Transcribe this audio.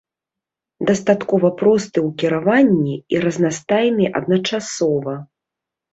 Дастаткова просты ў кіраванні і разнастайны адначасова.